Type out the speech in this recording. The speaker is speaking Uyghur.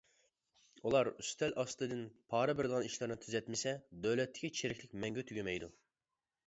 ئۇلار ئۈستەل ئاستىدىن پارە بېرىدىغان ئىشلارنى تۈزەتمىسە، دۆلەتتىكى چىرىكلىك مەڭگۈ تۈگىمەيدۇ.